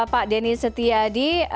pak deni setiadi